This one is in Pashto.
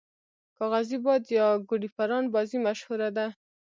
کاغذی باد یا ګوډی پران بازی مشهوره ده.